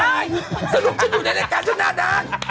เอาไปสรุปฉันอยู่ในลักษณ์ฉันน่านาน